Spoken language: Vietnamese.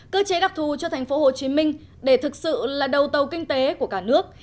cơ chế đặc thù cho thành phố hồ chí minh để thực sự là đầu tàu kinh tế của cả nước